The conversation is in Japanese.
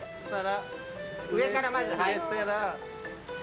上からまず。